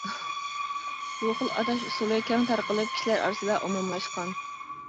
بۇ خىل ئاتاش ئۇسۇلى كەڭ تارقىلىپ، كىشىلەر ئارىسىدا ئومۇملاشقان.